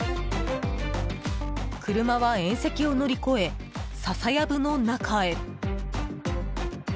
車は縁石を乗り越え笹やぶの中へ。